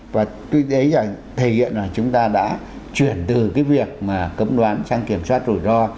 và tuy thế là thể hiện là chúng ta đã chuyển từ cái việc mà cấm đoán sang kiểm soát rủi ro